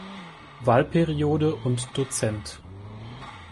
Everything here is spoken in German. Wahlperiode und Dozent.